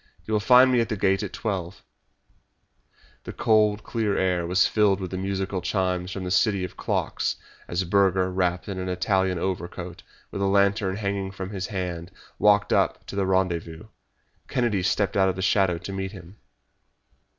You will find me at the Gate at twelve." The cold, clear air was filled with the musical chimes from that city of clocks as Burger, wrapped in an Italian overcoat, with a lantern hanging from his hand, walked up to the rendezvous. Kennedy stepped out of the shadow to meet him.